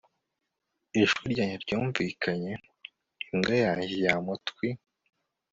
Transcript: ijwi ryanjye ryumvikanye, imbwa yanjye yamutwi